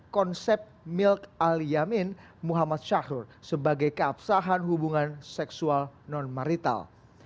konsep milk al yamin muhammad syahrul sebagai keabsahan hubungan seksual non marital